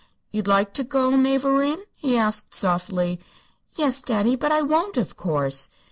"You'd like to go, mavourneen?" he asked, softly. "Yes, daddy; but I won't, of course."